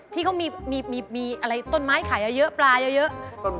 ที่เขามีอะไรต้นไม้ขายเยอะปลาเยอะ